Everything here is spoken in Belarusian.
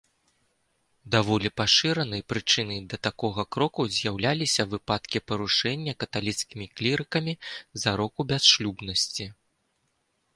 Даволі пашыранай прычынай да такога кроку з'яўляліся выпадкі парушэння каталіцкімі клірыкамі зароку бясшлюбнасці.